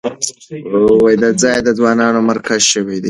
دا ځای د ځوانانو مرکز شوی دی.